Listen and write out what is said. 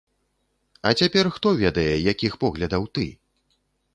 А цяпер хто ведае, якіх поглядаў ты?